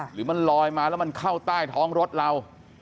หรือมันลอยมาแล้วมันเข้าใต้ท้องรถเรา